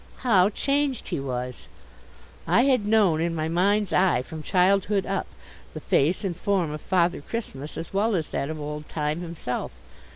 How changed he was! I had known in my mind's eye, from childhood up, the face and form of Father Christmas as well as that of Old Time himself.